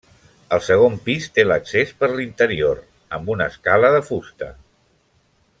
El segon pis té l'accés per l'interior, amb una escala de fusta.